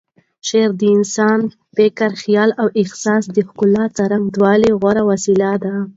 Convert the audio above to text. شاعري د انساني فکر، خیال او احساس د ښکلا څرګندولو غوره وسیله ده.